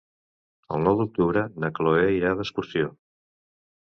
El nou d'octubre na Cloè irà d'excursió.